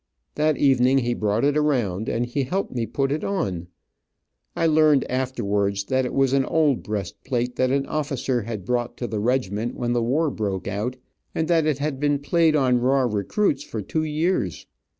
That evening he brought it around, and he helped me put it on. I learned afterwards that it was an old breast plate that an officer had brought to the regiment when the war broke out, and that it had been played on raw recruits for two years.